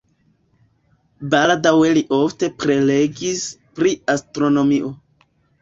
Baldaŭe li ofte prelegis pri astronomio.